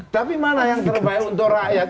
tapi mana yang terbaik untuk rakyat